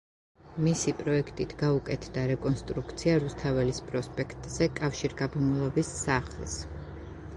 მისი პროექტით გაუკეთდა რეკონსტრუქცია რუსთაველის პროსპექტზე კავშირგაბმულობის სახლს.